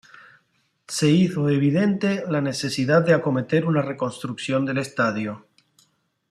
Se hizo evidente la necesidad de acometer una reconstrucción del estadio.